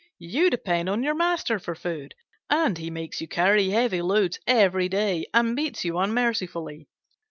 you depend on your master for food, and he makes you carry heavy loads every day and beats you unmercifully."